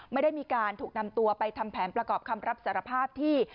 ไม่ได้มีการถูกนำตัวไปทำแผนประกอบคำรับสารภาพที่